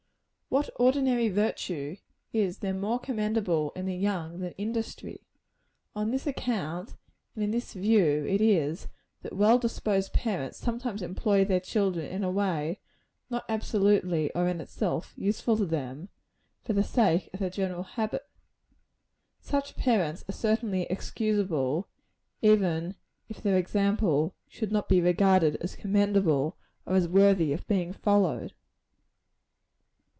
What ordinary virtue is there more commendable in the young, than industry? On this account, and in this view it is, that well disposed parents sometimes employ their children in a way not absolutely, or in itself, useful to them, for the sake of the general habit. Such parents are certainly excusable, even if their example should not be regarded as commendable, or as worthy of being followed.